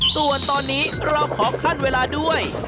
ส่วนตอนนี้เราขอขั้นเวลาด้วย